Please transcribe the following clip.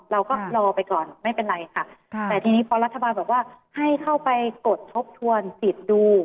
เราก็รอไปก่อนไม่เป็นไรค่ะแต่ทีนี้พอรัฐบาลบอกว่าให้เข้าไปกดทบทวนสิทธิ์ดู